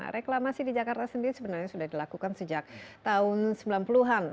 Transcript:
reklamasi di jakarta sendiri sebenarnya sudah dilakukan sejak tahun sembilan puluh an